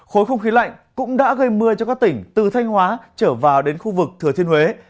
khối không khí lạnh cũng đã gây mưa cho các tỉnh từ thanh hóa trở vào đến khu vực thừa thiên huế